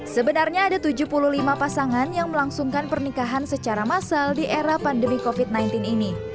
sebenarnya ada tujuh puluh lima pasangan yang melangsungkan pernikahan secara massal di era pandemi covid sembilan belas ini